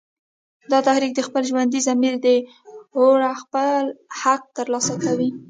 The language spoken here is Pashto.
دا تحریک د خپل ژوندي ضمیر د اوره خپل حق تر لاسه کوي